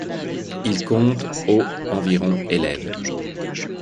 Il compte au environ élèves.